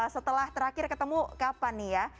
setelah terakhir ketemu kapan nih ya